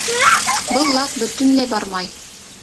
Был лак бөтөнләй бармай.